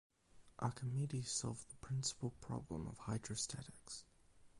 Archimedes solved the principal problem of hydrostatics.